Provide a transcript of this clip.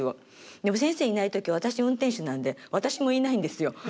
でも先生いない時私運転手なんで私もいないんですよ。